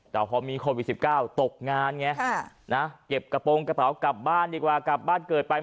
แต่พอมีโควิด๑๙ตกงานไงนะเก็บกระโปรงกระเป๋ากลับบ้านดีกว่ากลับบ้านเกิดไป